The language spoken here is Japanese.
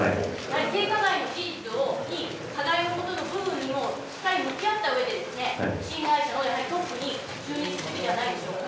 性加害の事実に加害の部分にもしっかり向き合ったうえで、新会社のトップに就任すべきじゃないでしょうか。